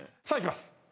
さあいきます。